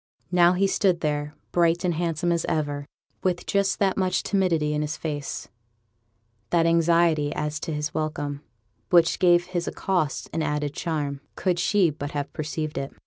Now he stood there, bright and handsome as ever, with just that much timidity in his face, that anxiety as to his welcome, which gave his accost an added charm, could she but have perceived it.